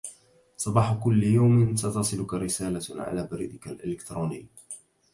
صباح كل يوم ستصلك رسالة على بريدك الإلكتروني